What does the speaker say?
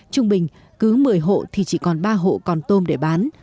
trung bình cứ một mươi hộ thì chỉ còn ba hộ còn tôm để bán